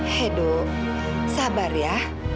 hei do sabar ya